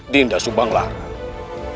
dinda subang lara